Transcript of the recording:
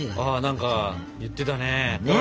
何か言ってたね。